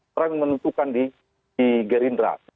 perang yang menentukan di gerindra